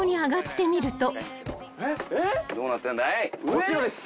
こちらです。